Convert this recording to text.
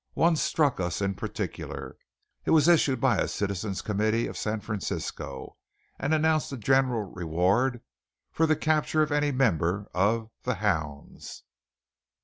One struck us in particular. It was issued by a citizens' committee of San Francisco, and announced a general reward for the capture of any member of the "Hounds."